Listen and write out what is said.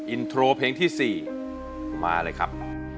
อินโทรเพลงที่๔มาเลยครับ